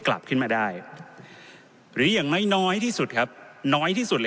กลับขึ้นมาได้หรืออย่างน้อยน้อยที่สุดครับน้อยที่สุดเลย